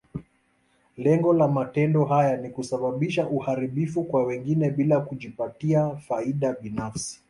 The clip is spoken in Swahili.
Lengo la matendo haya ni kusababisha uharibifu kwa wengine, bila kujipatia faida binafsi.